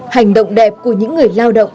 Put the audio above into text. hành động đẹp của những người lao động